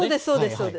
そうです